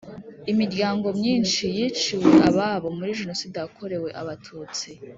Imiryango myinshi yiciwe ababo muri Jenoside yakorewe Abatutsi